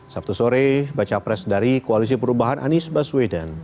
sabtu sore baca pres dari koalisi perubahan anies baswedan